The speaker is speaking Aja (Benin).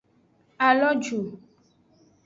A lo ju.